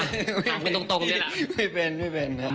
หลังเป็นตรงนี่แหละไม่เป็นไม่เป็นครับ